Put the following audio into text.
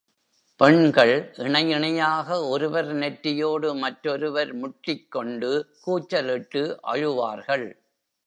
பெண்கள் இணை இணையாக ஒருவர் நெற்றியோடு மற்றொருவர் முட்டிக் கொண்டு கூச்சலிட்டு அழுவார்கள்.